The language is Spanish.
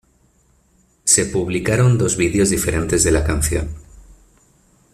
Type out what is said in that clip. Se publicaron dos vídeos diferentes de la canción.